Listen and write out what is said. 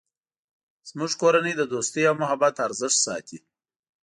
زموږ کورنۍ د دوستۍ او محبت ارزښت ساتی